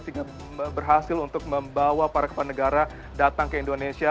sehingga berhasil untuk membawa para kepandegara datang ke indonesia